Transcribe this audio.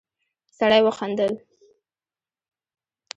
سړی وخندل.